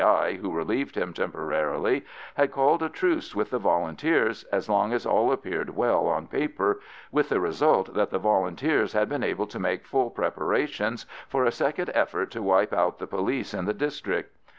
I. who relieved him temporarily, had called a truce with the Volunteers as long as all appeared well on paper, with the result that the Volunteers had been able to make full preparations for a second effort to wipe out the police in the district.